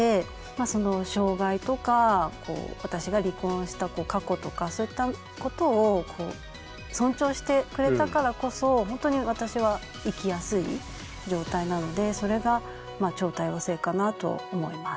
その障害とか私が離婚した過去とかそういったことを尊重してくれたからこそ本当に私は生きやすい状態なのでそれが超多様性かなと思います。